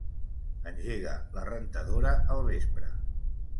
Engega la rentadora al vespre.